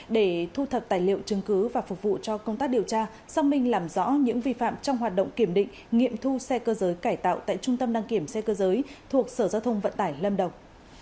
để thu thập tài liệu chứng cứ và phục vụ cho công tác điều tra xác minh làm rõ những vi phạm trong hoạt động kiểm định nghiệm thu xe cơ giới cải tạo tại trung tâm đăng kiểm xe cơ giới thuộc sở giao thông vận tải lâm đồng